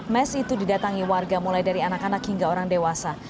mes itu didatangi warga mulai dari anak anak hingga orang dewasa